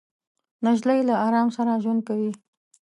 نجلۍ له ارام سره ژوند کوي.